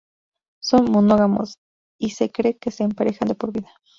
Son monógamos, y se cree que se emparejan de por vida.